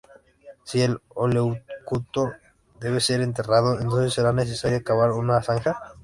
Si el oleoducto debe ser enterrado, entonces será necesario cavar una zanja.